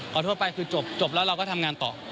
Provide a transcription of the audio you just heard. ขอโทษไปคือจบแล้วเราก็ทำงานต่อ